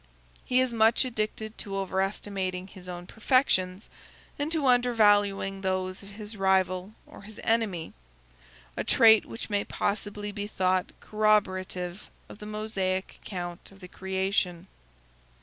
He is much addicted to overestimating his own perfections, and to undervaluing those of his rival or his enemy; a trait which may possibly be thought corroborative of the Mosaic account of the creation.